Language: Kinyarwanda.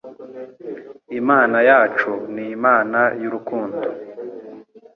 Imana yacu ni Imana y'urukundo?